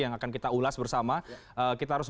yang akan kita ulas bersama kita harus